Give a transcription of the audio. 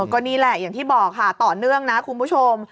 ก็นี่แหละอย่างที่บอกค่ะต่อเนื่องนะคุณผู้ชม